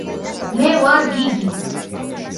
მე ვარ გიგი